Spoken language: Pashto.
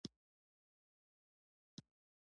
کاکړي د خپلو کورنیو اړیکو ته ارزښت ورکوي.